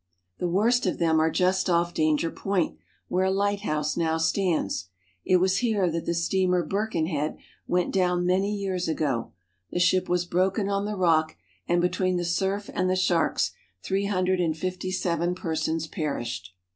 ^H The worst of them are just off Danger Point, where ^^1 a lighthouse now stands. It was here that the steamer ^^1 Birkenlicail went down many years ago; the ship was ^^1 broken on the rock, and between the surf and the sharks ^^H three hundred and fifty seven persons perished.